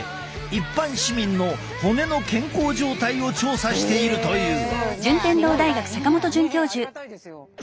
一般市民の骨の健康状態を調査しているという。